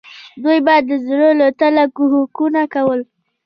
دوی به د زړه له تله کوښښونه کول.